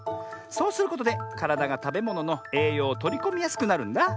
そうすることでからだがたべもののえいようをとりこみやすくなるんだあ。